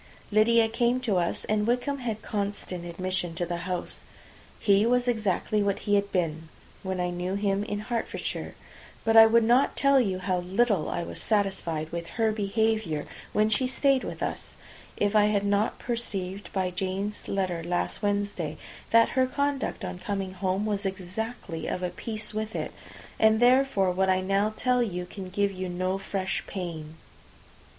Lydia came to us, and Wickham had constant admission to the house. He was exactly what he had been when I knew him in Hertfordshire; but I would not tell you how little I was satisfied with her behaviour while she stayed with us, if I had not perceived, by Jane's letter last Wednesday, that her conduct on coming home was exactly of a piece with it, and therefore what I now tell you can give you no fresh pain.